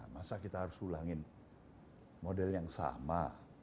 masa kita harus ulangin model yang sama